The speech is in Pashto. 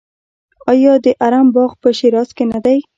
آیا د ارم باغ په شیراز کې نه دی؟